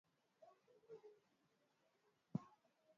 Alishindwa kuongea baada ya kupatikana na polisi